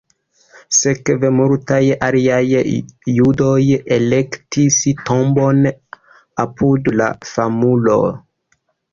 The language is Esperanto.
Sekve multaj aliaj judoj elektis tombon apud la famulo.